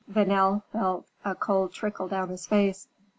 Vanel felt a cold sweat trickle down his face.